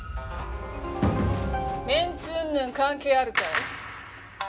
メンツうんぬん関係あるかい？